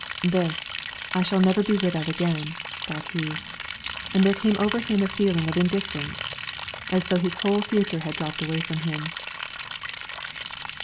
"This, I shall never be rid of again," thought he; and there came over him a feeling of indifference, as though his whole future had dropped away from him.